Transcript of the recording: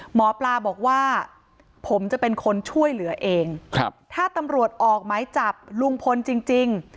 หมอปลาบอกว่าผมจะเป็นคนช่วยเหลือเองถ้าตำรวจออกไม้จับลุงพลจริง